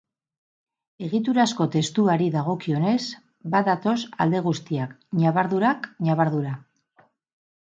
Egiturazko testuari dagokionez, bat datoz alde guztiak, ñabardurak ñabardura.